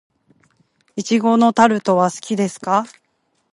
苺のタルトは好きですか。